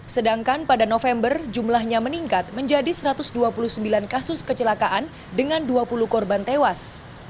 sedangkan pada november jumlahnya meningkat menjadi satu ratus dua puluh sembilan kasus kecelakaan dengan dua puluh korban tewas